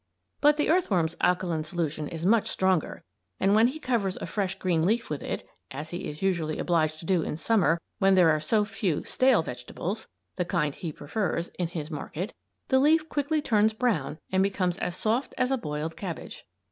But the earthworm's alkaline solution is much stronger, and when he covers a fresh green leaf with it as he is usually obliged to do in Summer when there are so few stale vegetables, the kind he prefers, in his market the leaf quickly turns brown and becomes as soft as a boiled cabbage.